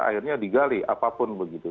akhirnya digali apapun begitu